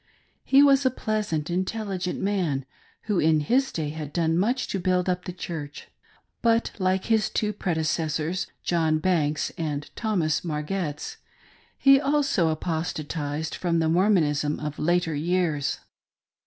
He was a pleasant, intelligent man, who in his day had done much to build up the Church ; but like his two predecessors, John Banks and Thomas Margetts, he also apostatised from the Mormonism of later years.